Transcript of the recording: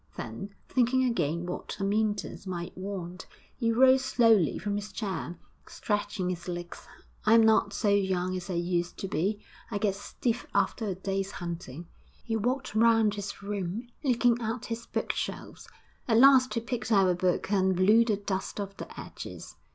... Then, thinking again what Amyntas might want, he rose slowly from his chair, stretching his legs. 'I'm not so young as I used to be; I get stiff after a day's hunting.' He walked round his room, looking at his bookshelves; at last he picked out a book and blew the dust off the edges.